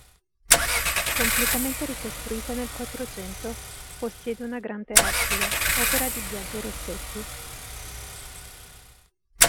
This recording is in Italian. Completamente ricostruita nel Quattrocento, possiede una grande abside opera di Biagio Rossetti.